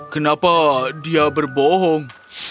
kenapa dia berbohong